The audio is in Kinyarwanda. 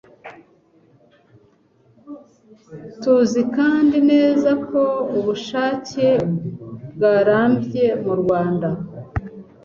Tuzi kandi neza ko ubuhake bwarambye mu Rwanda.